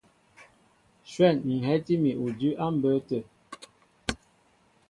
Shwɛ̂n hɛ́tí mi udʉ́ á mbə̌ tə.